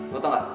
lo tau gak